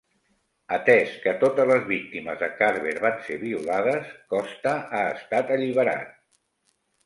Atès que totes les víctimes de Carver van ser violades, Costa ha estat alliberat.